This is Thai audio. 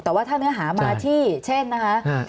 แต่ว่าถ้าเนื้อหามาที่เช่นนะคะ